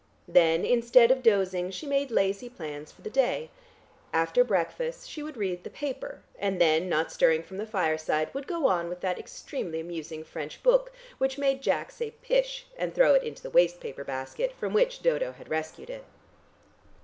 Then, instead of dozing, she made lazy plans for the day; after breakfast she would read the paper, and then, not stirring from the fireside, would go on with that extremely amusing French book which made Jack say "Pish!" and throw it into the waste paper basket, from which Dodo had rescued it.